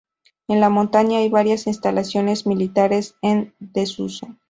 En la montaña hay varias instalaciones militares en desuso.